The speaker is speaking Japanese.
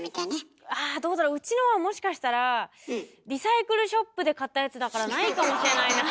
どうだろううちのはもしかしたらリサイクルショップで買ったやつだからないかもしれないな。